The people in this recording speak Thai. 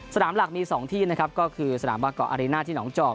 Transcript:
สนามหลักมี๒ที่นะครับก็คือสนามบาเกาะอารีน่าที่หนองจอก